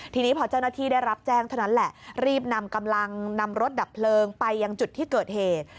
ทีนี้พอเจ้าหน้าที่ได้รับแจ้งเท่านั้นแหละรีบนำกำลังนำรถดับเพลิงไปยังจุดที่เกิดเหตุ